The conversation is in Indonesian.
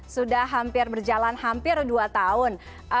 sudah hampir berjalan hampir dua tahun